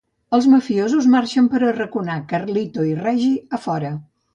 Els mafiosos marxen per arraconar Carlito i Reggie a fora.